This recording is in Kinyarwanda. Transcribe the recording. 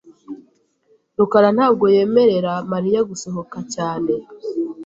rukara ntabwo yemerera Mariya gusohoka cyane. .